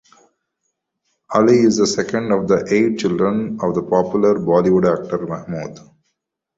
Ali is the second of the eight children of the popular Bollywood actor, Mehmood.